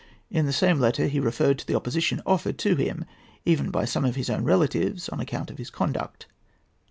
In the same letter he referred to the opposition offered to him, even by some of his own relatives, on account of his conduct.